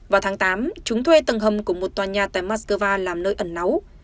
vào tháng tám chúng thuê tầng hầm của một tòa nhà tại moscow làm nơi ẩn náu